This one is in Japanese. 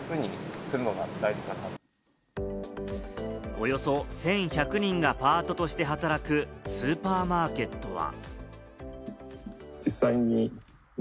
およそ１１００人がパートとして働くスーパーマーケットは。